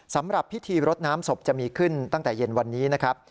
สำหรับพิธีรดน้ำศพจะมีขึ้นตั้งแต่เย็นวันนี้นะครับ